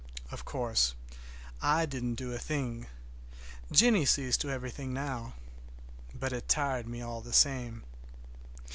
Of course I didn't do a thing. Jennie sees to everything now. But it tired me all the same.